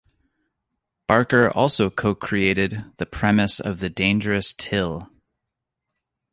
Barker also co-created the premise of the dangerous till.